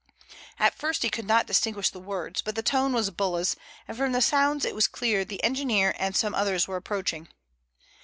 At first he could not distinguish the words, but the tone was Bulla's, and from the sounds it was clear the engineer and some others were approaching.